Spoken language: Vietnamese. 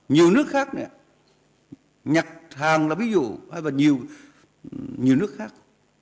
nhiều nước khác nè nhật hàn là ví dụ hay là nhiều nước khác